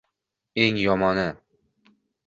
Eng yomoni